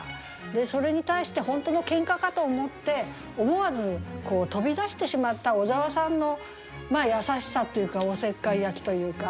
でそれに対して本当のケンカかと思って思わず飛びだしてしまった小沢さんの優しさというかおせっかいやきというか。